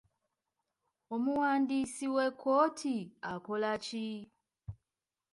Omuwandiisi w'ekkooti akola ki?